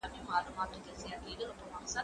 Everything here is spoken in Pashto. زه کولای سم سفر وکړم؟!